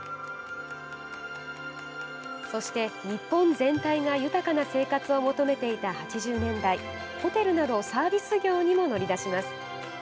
そして日本全体が豊かな生活を求めていた８０年代、ホテルなどサービス業にも乗り出します。